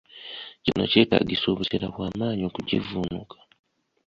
Kino kyetaagisa obuzira bwa maanyi okugivvuunuka.